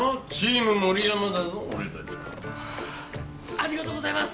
ありがとうございます！